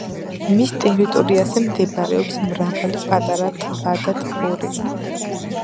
მის ტერიტორიაზე მდებარეობს მრავალი პატარა ტბა და ტბორი.